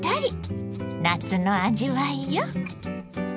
夏の味わいよ。